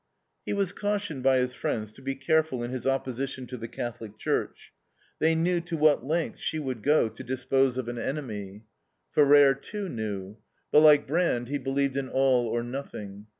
He was cautioned by his friends to be careful in his opposition to the Catholic Church. They knew to what lengths she would go to dispose of an enemy. Ferrer, too, knew. But, like Brand, he believed in all or nothing.